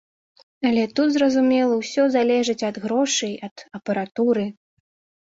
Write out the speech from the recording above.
Але тут, зразумела, усё залежыць ад грошай, ад апаратуры.